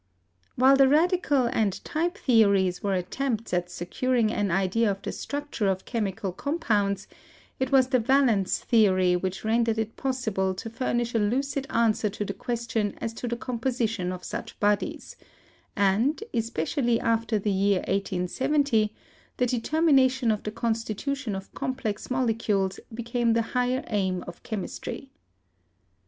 While the radical and type theories were attempts at securing an idea of the structure of chemical compounds, it was the valence theory which rendered it possible to furnish a lucid answer to the question as to the composi tion of such bodies; and, especially after the year 1870, the determination of the constitution of complex mole cules became the higher aim of chemistry.